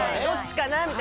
どっちかな？